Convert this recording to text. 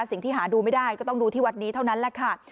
สิ่งที่หาดูไม่ได้ก็ต้องดูที่วัดนี้เท่านั้นแหละค่ะ